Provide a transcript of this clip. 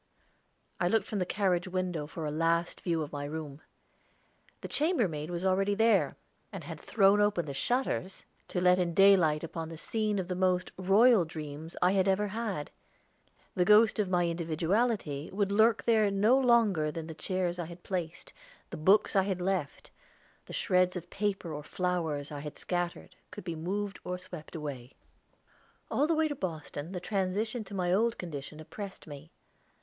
I looked from the carriage window for a last view of my room. The chambermaid was already there, and had thrown open the shutters, to let in daylight upon the scene of the most royal dreams I had ever had. The ghost of my individuality would lurk there no longer than the chairs I had placed, the books I had left, the shreds of paper or flowers I had scattered, could be moved or swept away. All the way to Boston the transition to my old condition oppressed me.